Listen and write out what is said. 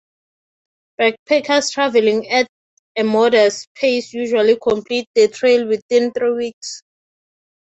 Backpackers traveling at a modest pace usually complete the trail within three weeks.